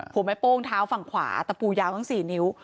หัวไม้โป้งเท้าฝั่งขวาตะปูยาวทั้ง๔นิ้ว